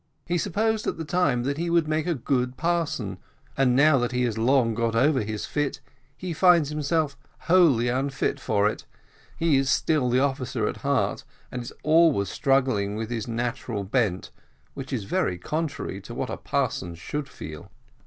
He supposed at the time that he would make a good parson, and now that he has long got over his fit, he finds himself wholly unfit for it he is still the officer in heart, and is always struggling with his natural bent, which is very contrary to what a parson should feel."